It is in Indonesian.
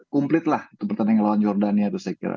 komplit lah itu pertandingan lawan jordania itu saya kira